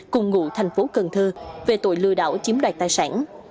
cùng ngụ tp cần thơ về tội lừa đảo chiếm đoạt tài sản